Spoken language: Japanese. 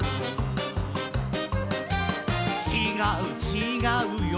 「ちがうちがうよ」